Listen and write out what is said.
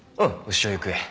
潮ゆくえ。